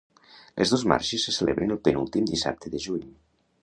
Les dos marxes se celebren el penúltim dissabte de juny.